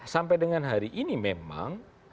sampai dengan hari ini memang